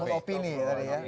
bangun opini tadi ya